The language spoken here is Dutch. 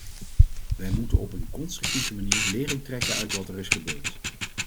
Wij moeten op een constructieve manier lering trekken uit wat er is gebeurd.